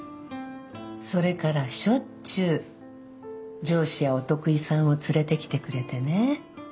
それからしょっちゅう上司やお得意さんを連れてきてくれてね